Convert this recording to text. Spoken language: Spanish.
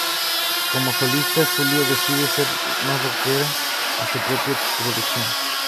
Como solista Julio decide ser más rockera en su propia producción.